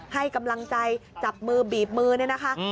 ให้กำลังใจจับมือบีบมือเนี่ยนะคะ